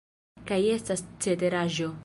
Kaj estas ceteraĵo.